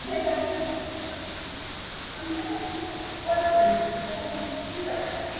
Wanyama wengine wanaoathiriwa ni ngombe nguruwena farasi